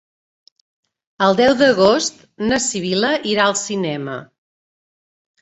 El deu d'agost na Sibil·la irà al cinema.